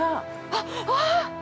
あっああ！